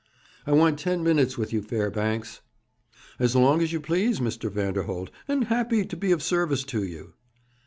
'I want ten minutes with you, Fairbanks.' 'As long as you please, Mr. Vanderholt. Always happy to be of service to you.'